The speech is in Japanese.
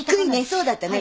そうだったね。